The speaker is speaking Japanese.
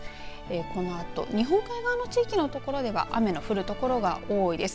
このあと日本海側の地域のところでは雨の降るところが多いです。